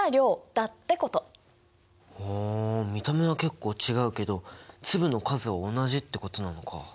ふん見た目は結構違うけど粒の数は同じってことなのか。